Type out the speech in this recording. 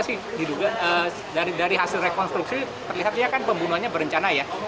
sih diduga dari hasil rekonstruksi terlihatnya kan pembunuhannya berencana ya